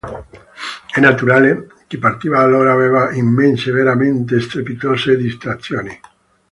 È naturale, chi partiva allora aveva immense, veramente strepitose distrazioni.